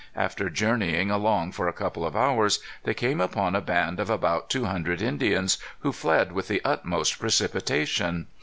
After journeying along for a couple of hours, they came upon a band of about two hundred Indians, who fled with the utmost precipitation.